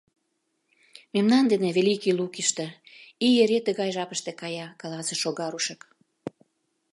— Мемнан дене, Великий Лукиште, ий эре тыгай жапыште кая, — каласыш Огарушек.